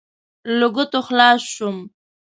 له ګوتو خلاص شوم.